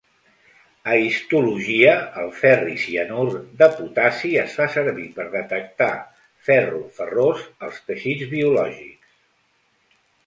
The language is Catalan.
A histologia, el ferricianur de potassi es fa servir per detectar ferro ferrós als teixits biològics.